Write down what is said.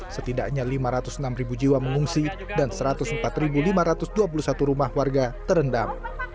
setidaknya lima ratus enam jiwa mengungsi dan satu ratus empat lima ratus dua puluh satu rumah warga terendam